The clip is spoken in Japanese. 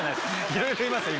いろいろいますよ